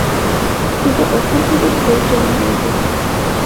কিন্তু ওখান থেকে ভুল ট্রেনিং নিয়ে ফেরে।